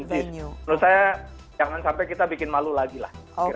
menurut saya jangan sampai kita bikin malu lagi lah